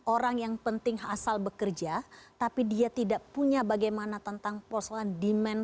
orang yang penting asal bekerja tapi dia tidak punya bagaimana tentang persoalan demand